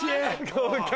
合格！